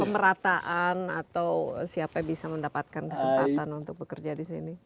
pemerataan atau siapa yang bisa mendapatkan kesempatan untuk bekerja di sini